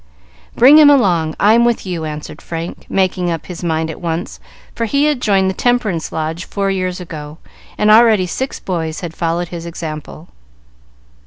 "Bring him along; I'm with you!" answered Frank, making up his mind at once, for he had joined the Temperance Lodge four years ago, and already six boys had followed his example.